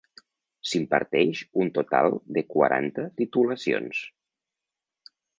S'imparteix un total de quaranta titulacions.